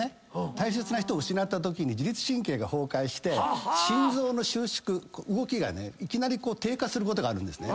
大切な人を失ったときに自律神経が崩壊して心臓の収縮動きがいきなり低下することがあるんですね。